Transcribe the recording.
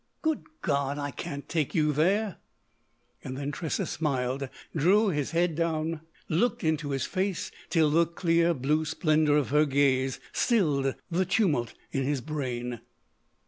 Good God! I can't take you there!" Then Tressa smiled, drew his head down, looked into his face till the clear blue splendour of her gaze stilled the tumult in his brain.